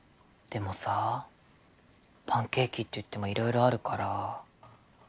でもさあパンケーキっていってもいろいろあるから。